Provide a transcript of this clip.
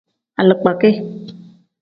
Alikpakin.